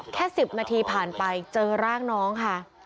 แค่๑๐นาทีผ่านไปเจอร่างน้องค่ะ